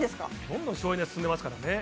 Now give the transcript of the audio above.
どんどん省エネ進んでますからね